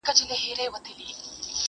جهاني کله له ډیوو سره زلمي را وزي!!